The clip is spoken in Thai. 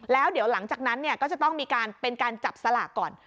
แล้วเดี๋ยวหลังจากนั้นก็จะต้องมีการเป็นการจับสลากก่อน